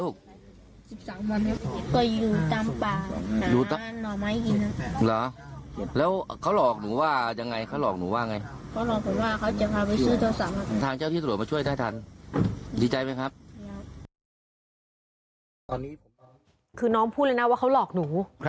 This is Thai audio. คือน้องพูดเลยนะว่าเขาหลอกหนู